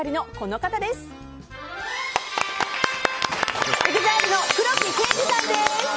ＥＸＩＬＥの黒木啓司さんです。